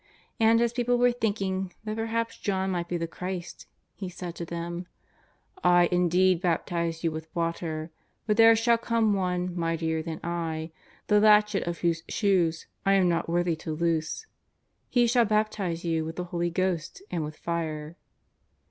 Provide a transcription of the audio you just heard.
And as people were thinking that perhaps John might be the Christ, he said to them :" I indeed baptize you with water, but there shall come One mightier than I, the latchet of whose shoes I am not worthy to loose. He shall baptize you Avith the Holy Ghost and with fire."